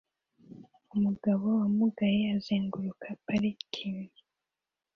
Umugabo wamugaye azenguruka parikingi